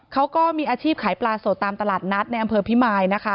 เขาก็มีอาชีพขายปลาสดตามตลาดนัดในอำเภอพิมายนะคะ